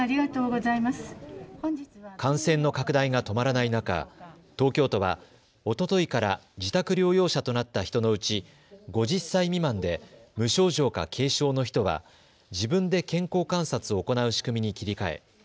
感染の拡大が止まらない中、東京都は、おとといから自宅療養者となった人のうち５０歳未満で無症状か軽症の人は自分で健康観察を行う仕組みに切り替え